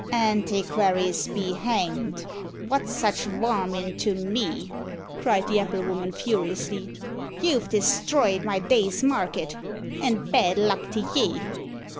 "Antiquaries be hanged! what's such warmint to me?" cried the applewoman furiously. "You've destroyed my day's market, and bad luck to ye!"